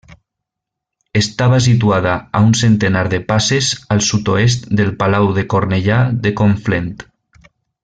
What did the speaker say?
Estava situada a un centenar de passes al sud-oest del Palau de Cornellà de Conflent.